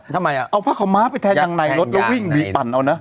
ทำไมอ่ะเอาผ้าขาวม้าไปแทงจังในรถแล้ววิ่งบีปั่นเอานะ